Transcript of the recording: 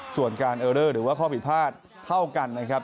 ส่วนการเออเลอร์หรือว่าข้อผิดพลาดเท่ากันนะครับ